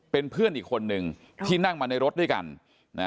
เป็นเพื่อนอีกคนนึงที่นั่งมาในรถด้วยกันนะ